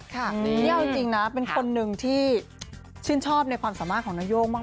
นี่เอาจริงนะเป็นคนหนึ่งที่ชื่นชอบในความสามารถของนโย่งมาก